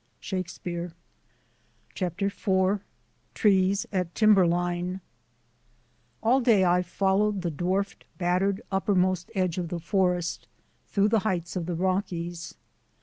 — Shakespeare. CHAPTER IV TREES AT TIMBERLINE A LL day I followed the dwarfed, battered, /\ uppermost edge of the forest through the "^ heights of the Rockies.